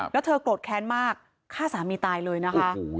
แล้วเธอโกรธแค้นมากฆ่าสามีตายเลยนะคะ